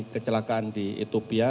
kecelakaan di etopia